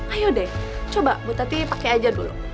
ayo deh coba bu tapi pakai aja dulu